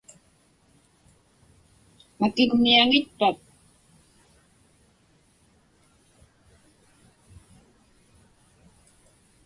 Makinniaŋitkpak?